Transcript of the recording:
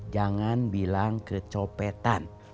jangan bilang kecopetan